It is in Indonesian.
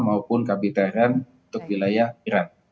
maupun kb trn untuk wilayah iran